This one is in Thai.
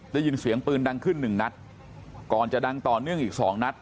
ได้ยินเสียงปืนดังขึ้นหนึ่งนัดก่อนจะดังต่อเนื่องอีกสองนัด